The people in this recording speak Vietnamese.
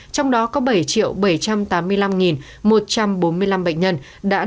trong đó có bảy bảy trăm tám mươi năm một trăm bốn mươi một ca